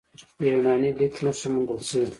د یوناني لیک نښې هم موندل شوي